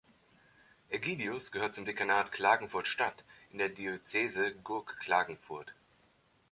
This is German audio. Ägidius gehört zum Dekanat Klagenfurt-Stadt in der Diözese Gurk-Klagenfurt.